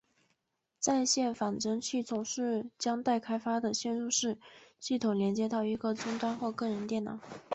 在线仿真器总是将待开发的嵌入式系统连接到一个终端或个人电脑。